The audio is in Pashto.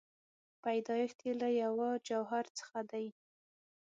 پیدایښت یې له یوه جوهر څخه دی.